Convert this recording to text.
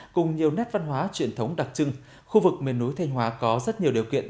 cùng nhiều nét văn hóa truyền thống đặc trưng khu vực miền núi thanh hóa có rất nhiều điều kiện